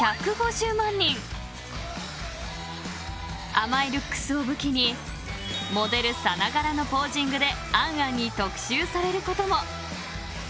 ［甘いルックスを武器にモデルさながらのポージングで『ａｎ・ａｎ』に特集されることも］